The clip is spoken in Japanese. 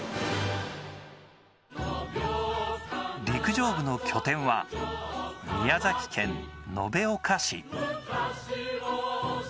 陸上部の拠点は、宮崎県延岡市。